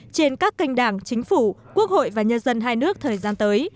trên các kênh đảng chính phủ quốc hội và nhân dân hai nước thời gian tới